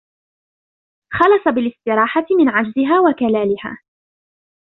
خَلَصَ بِالِاسْتِرَاحَةِ مِنْ عَجْزِهَا وَكَلَالِهَا